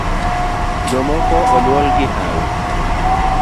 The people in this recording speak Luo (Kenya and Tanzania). Jomoko onyuol gi hawi